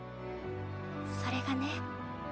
それがね